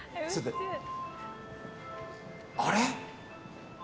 あれ？